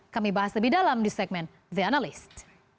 kami bahas lebih dalam di segmen the analyst